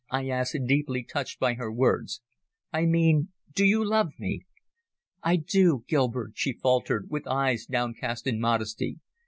I asked, deeply touched by her words. "I mean, do you love me?" "I do, Gilbert," she faltered, with eyes downcast in modesty.